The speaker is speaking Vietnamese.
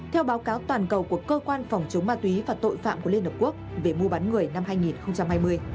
theo báo cáo toàn cầu của cơ quan phòng chống ma túy và tội phạm của liên hợp quốc về mua bán người năm hai nghìn hai mươi